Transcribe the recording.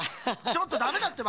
ちょっとダメだってば。